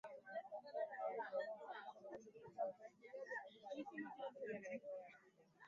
pili alliance francois wali walitoa fa